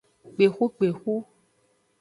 Kpexukpexu.